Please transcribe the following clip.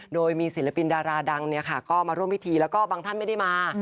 โดยมีศิลปินดาราดังก็มาร่วมพิธีแล้วก็บางท่านไม่ได้มา